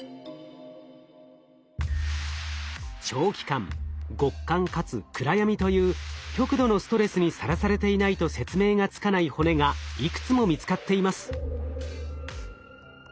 長期間極寒かつ暗闇という極度のストレスにさらされていないと説明がつかない骨がいくつも見つかっています。